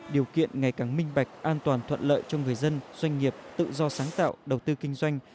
điều kiện ngày càng minh bạch an toàn thuận lợi cho người dân doanh nghiệp tự do sáng tạo đầu tư kinh doanh